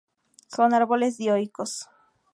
Son árboles dioicos.